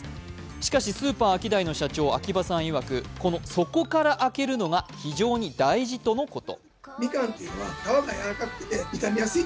しかしスーパーアキダイの社長、秋葉さんいわく、底から開けるのが非常に大事とのこと。